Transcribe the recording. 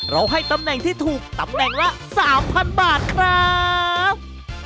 ให้ตำแหน่งที่ถูกตำแหน่งละ๓๐๐บาทครับ